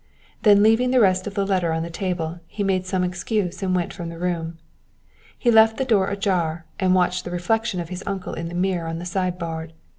Then leaving the rest of the letter on the table, he made some excuse and went from the room. He left the door ajar, and watched the reflection of his uncle in the mirror of the sideboard.